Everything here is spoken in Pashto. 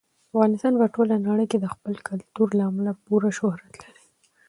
افغانستان په ټوله نړۍ کې د خپل کلتور له امله پوره شهرت لري.